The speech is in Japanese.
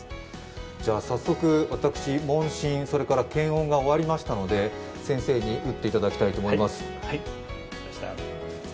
早速、私、問診、検温が終わりましたので、先生に打っていただきたいと思います。